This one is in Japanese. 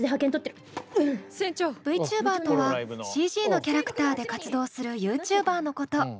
ＶチューバーとはＣＧのキャラクターで活動するユーチューバーのこと。